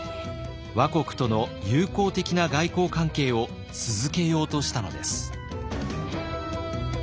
倭国との友好的な外交関係を続けようとしたのです。